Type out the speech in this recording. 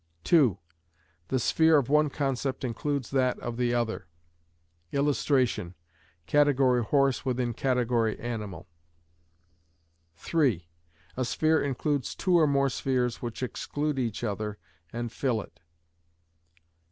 (2.) The sphere of one concept includes that of the other. [Illustration: Category "horse" within category "animal".] (3.) A sphere includes two or more spheres which exclude each other and fill it.